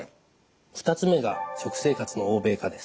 ２つ目が食生活の欧米化です。